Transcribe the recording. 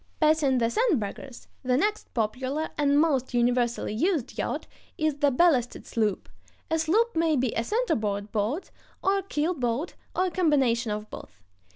] Passing the sandbaggers, the next popular and most universally used yacht is the ballasted sloop. A sloop may be a center board boat, or a keel boat, or a combination of both.